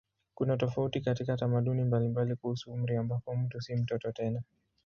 Kuna tofauti katika tamaduni mbalimbali kuhusu umri ambapo mtu si mtoto tena.